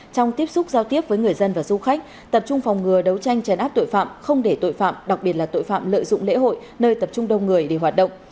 trong tiếp xúc giao tiếp với người dân và du khách tập trung phòng ngừa đấu tranh chấn áp tội phạm không để tội phạm đặc biệt là tội phạm lợi dụng lễ hội nơi tập trung đông người để hoạt động